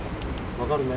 分かるね？